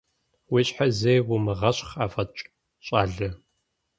Уи щхьэр зэи умыгъэщхъ афӀэкӀ, щӀалэ!